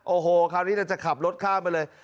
โอ้โหคราวนี้เราจะขับรถข้ามไปเลย